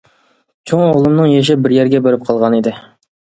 چوڭ ئوغلۇمنىڭ يېشى بىر يەرگە بېرىپ قالغانىدى.